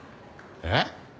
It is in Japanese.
えっ？